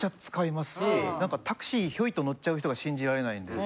タクシーひょいと乗っちゃう人が信じられないんで。